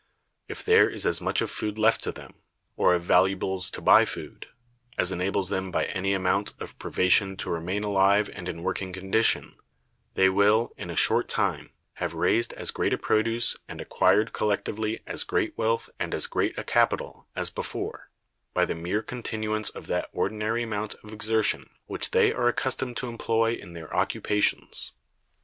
If there is as much of food left to them, or of valuables to buy food, as enables them by any amount of privation to remain alive and in working condition, they will, in a short time, have raised as great a produce, and acquired collectively as great wealth and as great a capital, as before, by the mere continuance of that ordinary amount of exertion which they are accustomed to employ in their occupations.